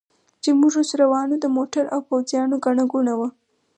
چې موږ اوس روان و، د موټرو او پوځیانو ګڼه ګوڼه.